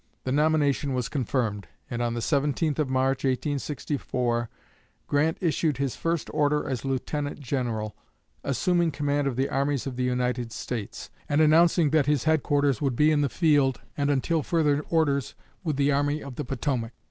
The nomination was confirmed; and on the 17th of March, 1864, Grant issued his first order as Lieutenant General, assuming command of the armies of the United States, and announcing that his headquarters would be in the field and until further orders with the Army of the Potomac.